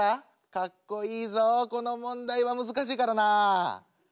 かっこいいぞこの問題は難しいからな。